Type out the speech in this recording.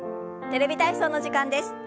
「テレビ体操」の時間です。